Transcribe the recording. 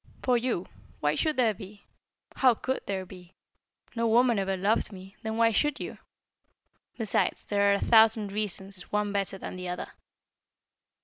"For you? Why should there be? How could there be? No woman ever loved me, then why should you? Besides there are a thousand reasons, one better than the other."